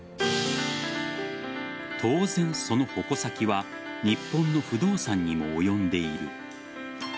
当然、その矛先は日本の不動産にも及んでいる。